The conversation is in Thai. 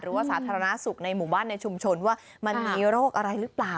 สาธารณสุขในหมู่บ้านในชุมชนว่ามันมีโรคอะไรหรือเปล่า